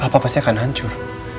papa pasti akan hancur